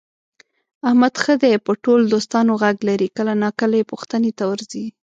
احمد ښه دی په ټول دوستانو غږ لري، کله ناکله یې پوښتنې ته ورځي.